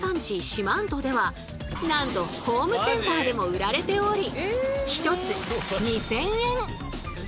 四万十ではなんとホームセンターでも売られており